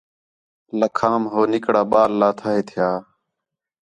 لکھام ہو نِکڑا ٻال لاتھا ہِے تھیا